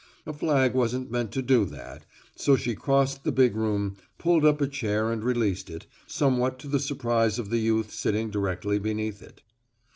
A flag wasn't meant to do that, so she crossed the big room, pulled up a chair and released it, somewhat to the surprise of the youth sitting directly beneath it.